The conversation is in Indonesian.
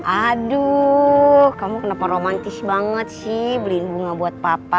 aduh kamu kenapa romantis banget sih beliin bunga buat papa